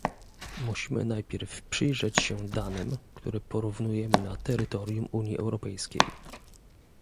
Musimy najpierw przyjrzeć się danym, które porównujemy na terytorium Unii Europejskiej